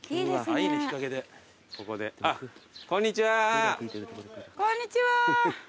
こんにちは。